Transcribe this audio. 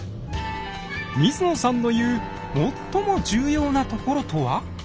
水野さんの言う「最も重要なところ」とは？